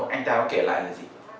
anh ta có kể lại là gì